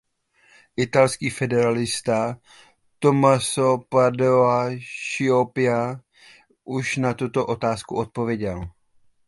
Italský federalista Tommaso Padoa-Schioppa už na tuto otázku odpověděl.